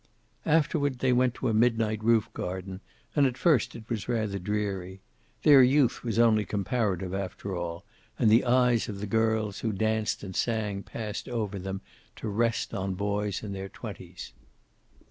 Afterward they went to a midnight roof garden, and at first it was rather dreary. Their youth was only comparative after all, and the eyes of the girls who danced and sang passed over them, to rest on boys in their twenties.